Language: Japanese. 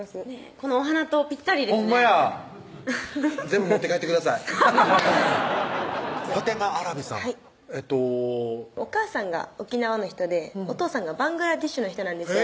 このお花とぴったりですね全部持って帰ってくださいファテマ亜羅美さんえっとお母さんが沖縄の人でお父さんがバングラデシュの人なんですよ